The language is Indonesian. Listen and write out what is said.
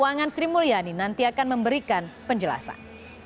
keuangan sri mulyani nanti akan memberikan penjelasan